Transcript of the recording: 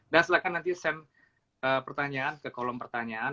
dan silahkan nanti send pertanyaan ke kolom pertanyaan